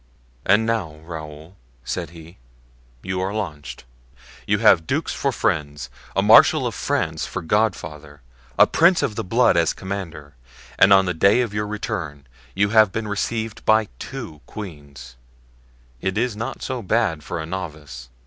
"And now, Raoul," said he, "you are launched; you have dukes for friends, a marshal of France for godfather, a prince of the blood as commander, and on the day of your return you have been received by two queens; it is not so bad for a novice."